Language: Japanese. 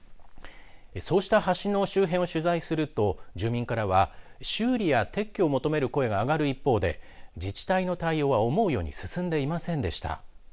そうした橋の周辺を取材すると住民からは修理や撤去を求める声が上がる一方で自治体の対応は思うように進んでいませんでした。